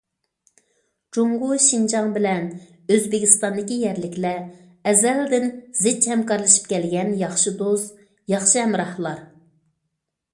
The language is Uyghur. جۇڭگو شىنجاڭ بىلەن ئۆزبېكىستاندىكى يەرلىكلەر ئەزەلدىن زىچ ھەمكارلىشىپ كەلگەن ياخشى دوست، ياخشى ھەمراھلار.